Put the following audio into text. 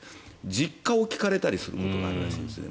実家を聞かれたりすることがあるらしいですね。